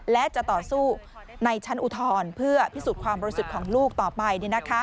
และจะต่อสู้ในชั้นอุทธรณ์เพื่อพิสูจน์ความบริสุทธิ์ของลูกต่อไป